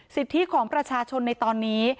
สิทธิของประชาชนในตอนนี้